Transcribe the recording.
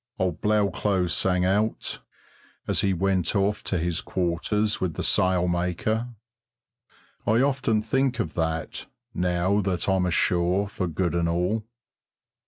old Blauklot sang out, as he went off to his quarters with the sail maker. I often think of that, now that I'm ashore for good and all.